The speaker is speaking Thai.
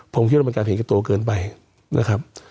ผมคิดว่าเป็นการเห็นกับตัวเกินไปนะครับ